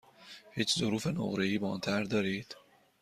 هیچ ظروف نقره ای با آن طرح دارید؟